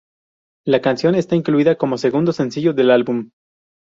La canción esta incluida como segundo sencillo del álbum.